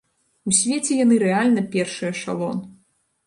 У свеце яны рэальна першы эшалон!